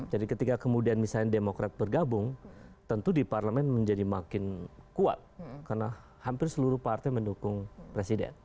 jadi ketika kemudian misalnya demokrat bergabung tentu di parlemen menjadi makin kuat karena hampir seluruh partai mendukung presiden